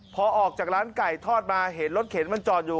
พอออกจากร้านไก่ทอดมาเห็นรถเข็นมันจอดอยู่